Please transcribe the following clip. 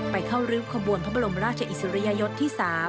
เข้าริ้วขบวนพระบรมราชอิสริยยศที่๓